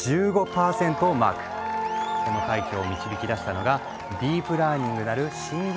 この快挙を導き出したのが「ディープラーニング」なる新技術だと明かされ